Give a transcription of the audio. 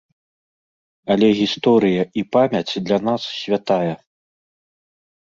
Але гісторыя і памяць для нас святая.